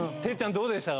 どうでしたか？